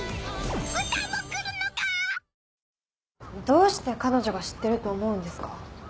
どうして彼女が知ってると思うんですか？